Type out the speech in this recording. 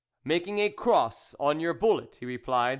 " Making a cross on your bullet," he replied.